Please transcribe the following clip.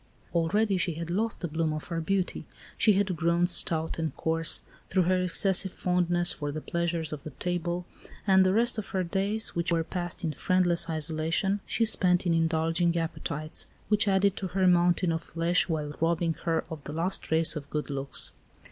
Already she had lost the bloom of her beauty; she had grown stout and coarse through her excessive fondness for the pleasures of the table, and the rest of her days, which were passed in friendless isolation, she spent in indulging appetites, which added to her mountain of flesh while robbing her of the last trace of good looks.